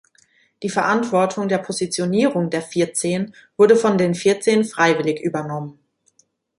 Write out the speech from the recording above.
Die Verantwortung der Positionierung der Vierzehn wurde von den Vierzehn freiwillig übernommen.